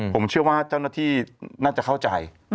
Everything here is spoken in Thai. ผมเชื่อว่าเจ้าหน้าที่น่าจะเข้าใจ